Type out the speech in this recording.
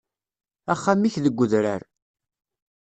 Axxam-ik deg udrar.